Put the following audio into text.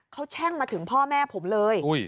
เขาแช่งมาถึงพ่อแม่ผมเลย